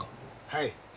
はい。